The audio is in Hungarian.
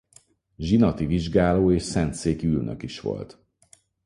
Zsinati vizsgáló és szentszéki ülnök is volt.